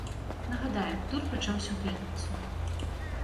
Нагадаем, тур пачаўся ў пятніцу.